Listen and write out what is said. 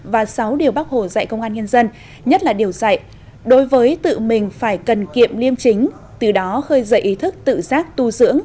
và sáu điều bác hồ dạy công an nhân dân nhất là điều dạy đối với tự mình phải cần kiệm liêm chính từ đó khơi dậy ý thức tự giác tu dưỡng